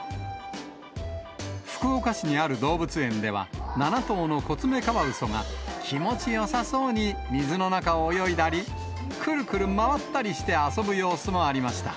福岡市にある動物園では、７頭のコツメカワウソが気持ちよさそうに水の中を泳いだり、くるくる回ったりして遊ぶ様子もありました。